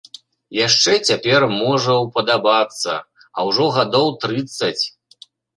Яшчэ цяпер можа ўпадабацца, а ўжо гадоў трыццаць.